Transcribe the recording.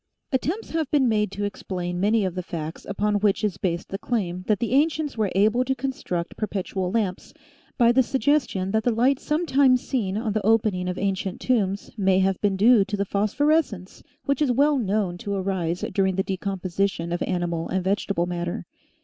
Attempts have been made to explain many of the facts upon which is based the claim that the ancients were able to construct perpetual lamps by the suggestion that the light sometimes seen on the opening of ancient tombs may have been due to the phosphorescence which is well known to arise during the decomposition of animal and vegetable matter.